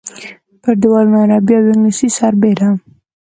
پر دیوالونو عربي او انګلیسي سربېره.